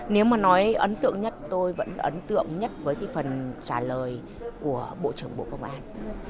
nếu mà nói ấn tượng nhất tôi vẫn ấn tượng nhất với cái phần trả lời của bộ trưởng bộ công an